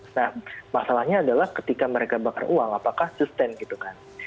nah masalahnya adalah ketika mereka bakar uang apakah sustain gitu kan